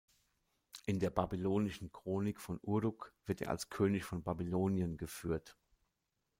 In der babylonischen Chronik von Uruk wird er als „König von Babylonien“ geführt.